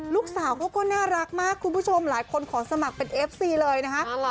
ลูกสาวเขาก็น่ารักมากคุณผู้ชมหลายคนขอสมัครเป็นเอฟซีเลยนะคะ